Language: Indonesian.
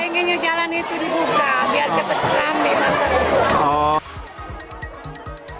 pengennya jalan itu dibuka biar cepat rame